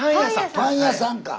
パン屋さんか。